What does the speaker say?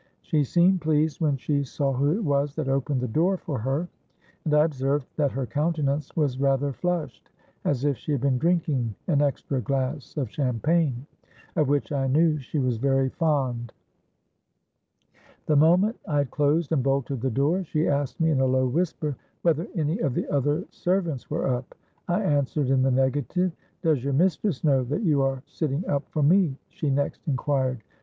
She seemed pleased when she saw who it was that opened the door for her; and I observed that her countenance was rather flushed, as if she had been drinking an extra glass of champagne, of which I knew she was very fond. The moment I had closed and bolted the door, she asked me in a low whisper, whether any of the other servants were up. I answered in the negative.—'Does your mistress know that you are sitting up for me?' she next inquired.